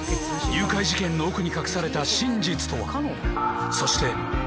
誘拐事件の奧に隠された真実とは？